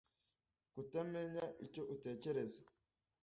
kutamenya icyo utekereza